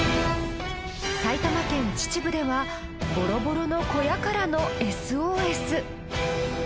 埼玉県秩父ではボロボロの小屋からのＳＯＳ。